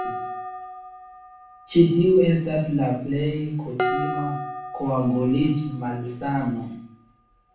Ĉi tiu estas la plej kutima koaguliĝ-malsano.